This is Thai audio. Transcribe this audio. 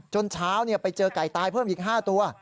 เช้าไปเจอไก่ตายเพิ่มอีก๕ตัว